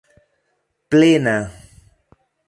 plena